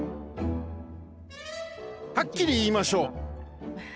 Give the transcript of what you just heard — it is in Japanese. はっきり言いましょう。